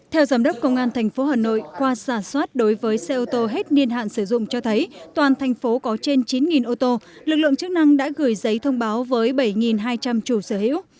theo giám đốc công an tp hà nội qua giả soát đối với xe ô tô hết niên hạn sử dụng cho thấy toàn thành phố có trên chín ô tô lực lượng chức năng đã gửi giấy thông báo với bảy hai trăm linh chủ sở hữu